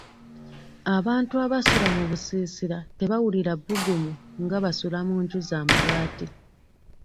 Abantu abasula mu busiisira tebawulira bbugumu nga basula mu nju z'amabbaati.